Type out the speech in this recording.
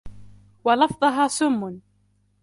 وَلَفْظَهَا سُمٌّ